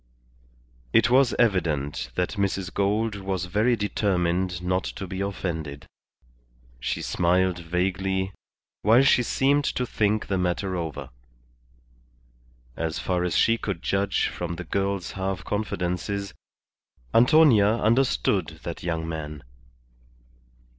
It was evident that Mrs. Gould was very determined not to be offended. She smiled vaguely, while she seemed to think the matter over. As far as she could judge from the girl's half confidences, Antonia understood that young man.